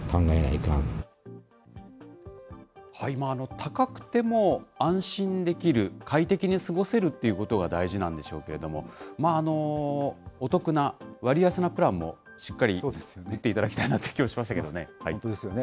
高くても安心できる、快適に過ごせるっていうことが大事なんでしょうけれども、お得な割安なプランもしっかり売っていただきたいなという気がし本当ですよね。